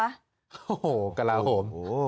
โอ้โหกระลาโหม